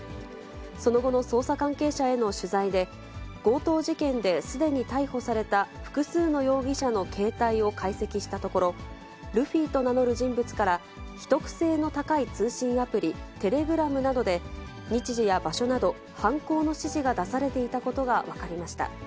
その後の捜査関係者への取材で、強盗事件ですでに逮捕された複数の容疑者の携帯を解析したところ、ルフィと名乗る人物から、秘匿性の高い通信アプリ、テレグラムなどで、日時や場所など、犯行の指示が出されていたことが分かりました。